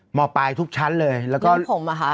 หมอปลายทุกชั้นเลยแล้วก็ผมอ่ะคะ